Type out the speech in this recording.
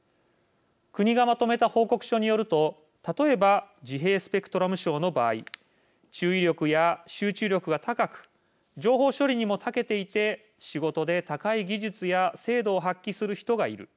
国がまとめた報告書によると例えば自閉スペクトラム症の場合注意力や集中力が高く情報処理にもたけていて仕事で高い技術や精度を発揮する人がいる。